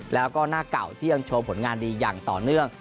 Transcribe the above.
แล้วก็หน้าเก่าที่ยังโชว์ผลงานดีอย่างต่อเนื่อง